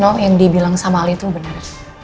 nol yang dia bilang sama ali itu bener